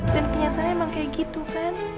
dan kenyataannya emang kayak gitu kan